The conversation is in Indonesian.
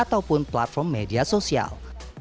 ataupun platform media sosial